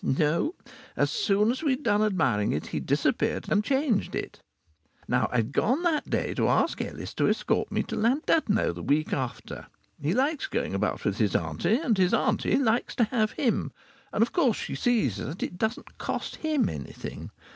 No; as soon as we'd done admiring it he disappeared and changed it. Now I'd gone that day to ask Ellis to escort me to Llandudno the week after. He likes going about with his auntie, and his auntie likes to have him. And of course she sees that it doesn't cost him anything.